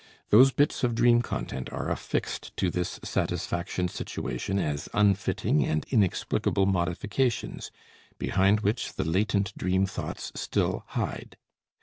Those bits of dream content are affixed to this satisfaction situation as unfitting and inexplicable modifications, behind which the latent dream thoughts still hide.